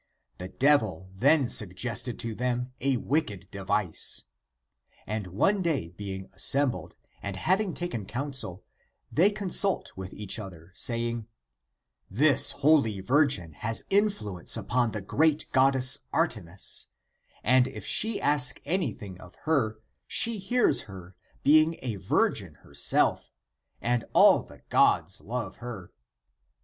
The devil then suggested to them a wicked device; and one day being assembled, and having taken counsel, they consult with each other, saying : this holy virgin has influence upon the great goddess Artemis; and if she ask anything of her, she hears her being a virgin herself, and all the gods love her.